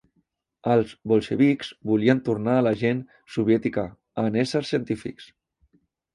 Els Bolxevics volien tornar la gent soviètica en "essers científics".